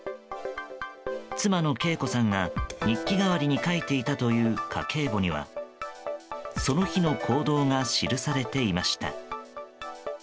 妻の敬子さんが、日記代わりに書いていたという家計簿にはその日の行動が記されていました。